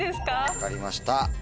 分かりました。